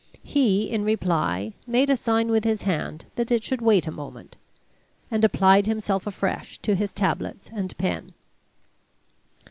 He, in reply, made a sign with his hand that it should wait a moment, and applied himself afresh to his tablets and pen.